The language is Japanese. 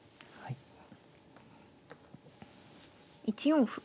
１四歩。